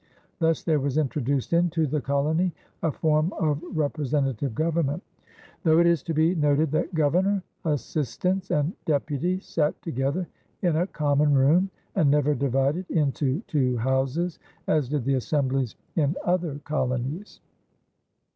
Thus there was introduced into the colony a form of representative government, though it is to be noted that governor, assistants, and deputies sat together in a common room and never divided into two houses, as did the assemblies in other colonies.